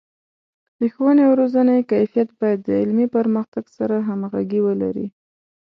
د ښوونې او روزنې کیفیت باید د علمي پرمختګ سره همغږي ولري.